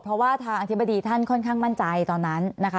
เพราะว่าทางอธิบดีท่านค่อนข้างมั่นใจตอนนั้นนะคะ